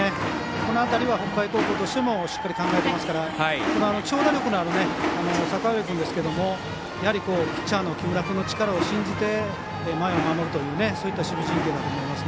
この辺りは、北海高校としてもしっかり考えていますから長打力のある阪上君ですけどもやはり、ピッチャーの木村君の力を信じて前を守るという守備陣形だと思います。